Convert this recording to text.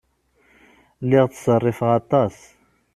Lliɣ ttṣerrifeɣ aṭas.